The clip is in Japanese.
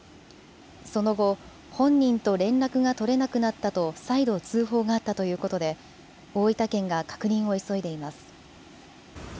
その後、本人と連絡が取れなくなったと再度、通報があったということで大分県が確認を急いでいます。